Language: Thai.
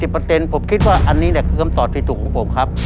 ผมคิดว่าอันนี้คือคำตอบที่ถูกของผมครับ